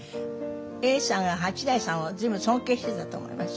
永さんが八大さんを随分尊敬してたと思います。